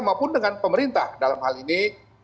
maupun dengan pemerintah dalam hal ini